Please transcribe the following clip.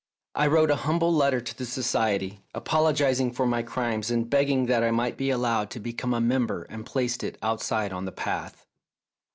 I wrote a humble letter to the Society, apologising for my crimes and beg ging that I might be allowed to become a member, and placed it outside on the path.